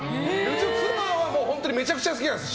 妻はめちゃくちゃ好きなんです